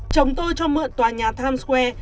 chồng tôi cho mượn tòa nhà times square